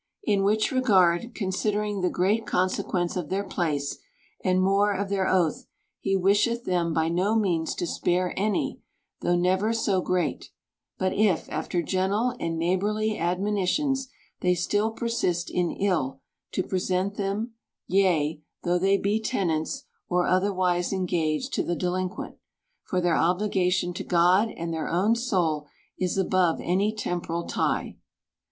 In which regard, consider ing the great consequence of their place, and more of their oath, he wisheth them by no means to spare any, though never so great ; but if, after gentle and neigh borly admonitions, they still persist in ill, to present them ; yea, though they be tenants, or otherwise en gaged to the delinquent : for their obligation to God and their own soul is above any temporal tie.